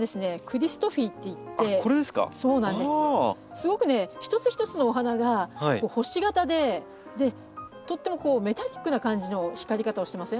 すごく一つ一つのお花が星形でとってもメタリックな感じの光り方をしてません？